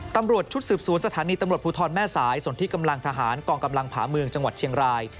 ตำรวจชุดสืบสวนสถานีตำรวจภูทรแม่สายสนที่กำลังทหารกองกำลังผาเมืองจังหวัดเชียงราย